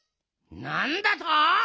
なんだと！